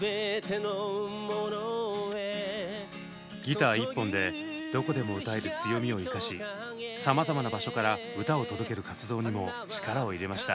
ギター１本でどこでも歌える強みを生かしさまざまな場所から歌を届ける活動にも力を入れました。